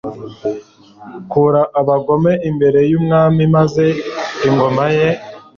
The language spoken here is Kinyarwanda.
Kura abagome imbere y umwami Maze ingoma ye